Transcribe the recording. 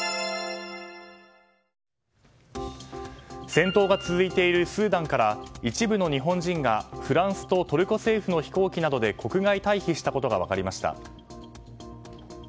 戦闘が続いているスーダンから一部の日本人が、フランスとトルコ政府の飛行機などで国外退避したことが分かりました。